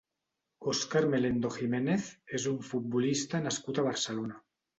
Óscar Melendo Jiménez és un futbolista nascut a Barcelona.